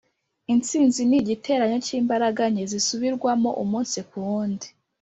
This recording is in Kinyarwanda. "intsinzi nigiteranyo cyimbaraga nke, zisubirwamo umunsi-kuwundi.